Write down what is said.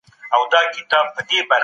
خپل د لاس څخه اشـــنـا